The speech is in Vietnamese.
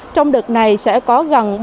trong đợt này sẽ có gần bốn mươi điểm tiêm